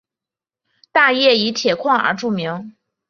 大冶以铁矿而著名。